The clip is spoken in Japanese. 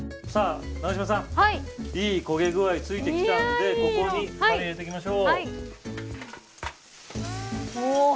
いい焦げ具合い付いてきたんでここにたれ入れていきましょう。